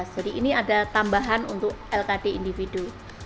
jadi ini ada tambahan untuk lkd individu